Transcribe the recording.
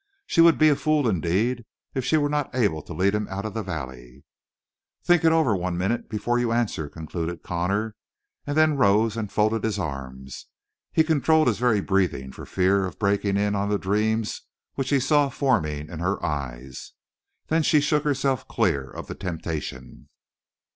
She would be a fool indeed if she were not able to lead him out of the valley. "Think it over for one minute before you answer," concluded Connor, and then rose and folded his arms. He controlled his very breathing for fear of breaking in on the dream which he saw forming in her eyes. Then she shook herself clear of the temptation.